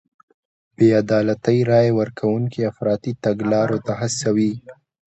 بې عدالتۍ رای ورکوونکي افراطي تګلارو ته هڅوي.